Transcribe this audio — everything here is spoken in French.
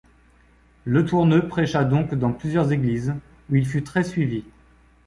Letourneux prêcha donc dans plusieurs églises, où il fut très suivi.